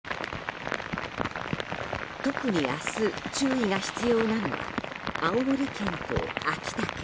特に明日、注意が必要なのは青森県と秋田県。